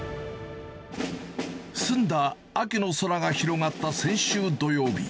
澄んだ秋の空が広がった先週土曜日。